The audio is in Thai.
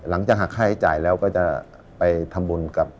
หลังจากหักค่าใช้จ่ายแล้วก็จะไปทำบุญกับ